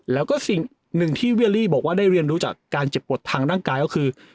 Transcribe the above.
แล้วก็สิ่งหนึ่งที่เวียลี่บอกว่าได้เรียนรู้จากการเจ็บปวดทางร่างกายก็คือ